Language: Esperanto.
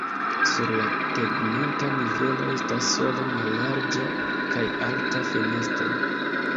Sur la tegmenta nivelo estas sola mallarĝa kaj alta fenestro.